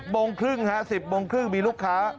โมงครึ่งฮะ๑๐โมงครึ่งมีลูกค้า